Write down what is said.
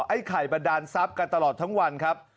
ไอ้ไข่บันดาลทรัพย์กันตลอดทั้งวันครับ